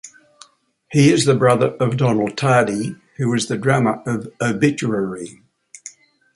He is the brother of Donald Tardy who is the drummer of Obituary.